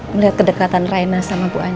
melihat kedekatan raina sama bu ani